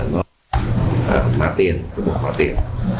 nó là một hóa tiền